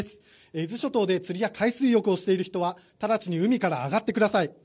伊豆諸島で釣りや海水浴をしている人は直ちに海から上がってください。